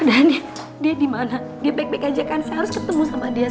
dia di mana saya harus ketemu sama dia